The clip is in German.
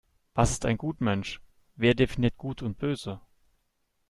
Was ist ein Gutmensch? Wer definiert Gut und Böse?